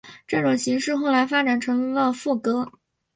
这种形式后来发展成为了赋格。